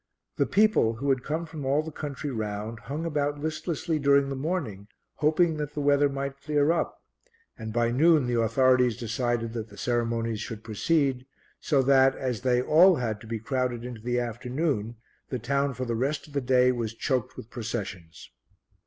The people, who had come from all the country round, hung about listlessly during the morning, hoping that the weather might clear up and by noon the authorities decided that the ceremonies should proceed, so that, as they all had to be crowded into the afternoon, the town for the rest of the day was choked with processions.